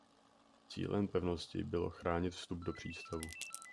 Cílem pevnosti bylo chránit vstup do přístavu.